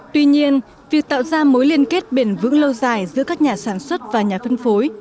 tuy nhiên việc tạo ra mối liên kết bền vững lâu dài giữa các nhà sản xuất và nhà phân phối